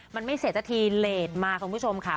มันไม่เสร็จสักทีเลสมาคุณผู้ชมค่ะ